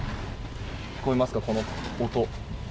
聞こえますか、この音。